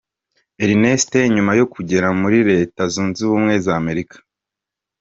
Ernesto nyuma yo kugera muri Leta Zunze Ubumwe za Amerika.